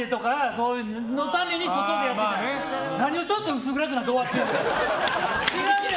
そのために外でやってたのに何をちょっと薄暗くなって終わってんの。